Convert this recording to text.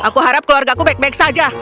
aku harap keluargaku baik baik saja